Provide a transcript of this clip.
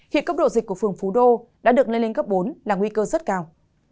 hiện cấp độ dịch của phường phú đô đã được lên lên cấp bốn là nguy cơ rất cao